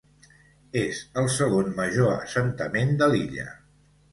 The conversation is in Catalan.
És el segon major assentament de l'illa.